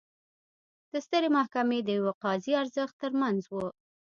د سترې محکمې د یوه قاضي ارزښت ترمنځ و.